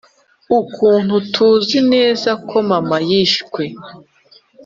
ukuntu tuzi neza ko mama yishwe